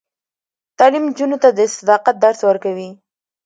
تعلیم نجونو ته د صداقت درس ورکوي.